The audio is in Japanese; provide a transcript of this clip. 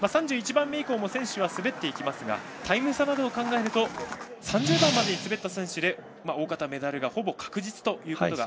３１番目以降も選手は滑っていきますがタイム差などを考えると３０番までに滑った選手で大方メダルがほぼ確実。